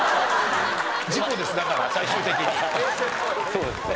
そうですね。